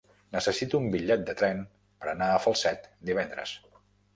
Necessito un bitllet de tren per anar a Falset divendres.